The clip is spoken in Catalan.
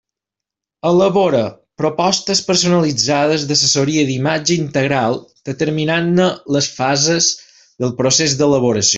Elabora propostes personalitzades d'assessoria d'imatge integral determinant-ne les fases del procés d'elaboració.